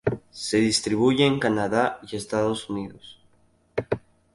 Se distribuye en Canadá y Estados Unidos.